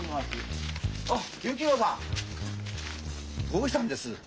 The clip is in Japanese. どうしたんです？